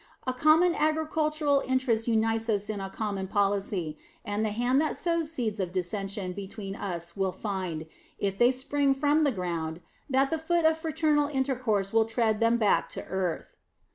A common agricultural interest unites us in a common policy, and the hand that sows seeds of dissension between us will find, if they spring from the ground, that the foot of fraternal intercourse will tread them back to earth.